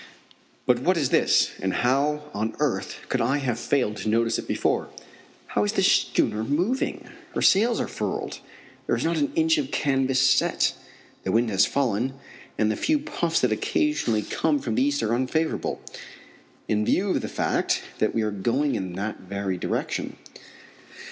But what is this and how on earth could I have failed to notice it before? How is this schooner moving? Her sails are furled there is not an inch of canvas set the wind has fallen, and the few puffs that occasionally come from the east are unfavorable, in view of the fact that we are going in that very direction.